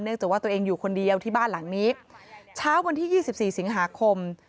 จากว่าตัวเองอยู่คนเดียวที่บ้านหลังนี้เช้าวันที่ยี่สิบสี่สิงหาคม